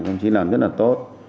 công chí làm rất là tốt